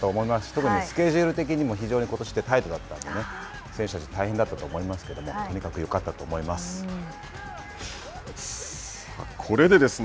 特にスケジュール的にも、非常にことしってタイトだったので、選手たちは大変だったと思いますけど、とにかくよかったと思います。